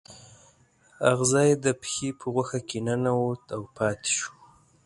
اغزی د پښې په غوښه کې ننوت او پاتې شو.